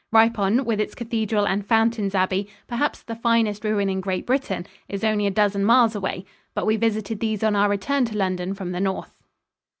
Ripon, with its cathedral and Fountains Abbey, perhaps the finest ruin in Great Britain, is only a dozen miles away; but we visited these on our return to London from the north.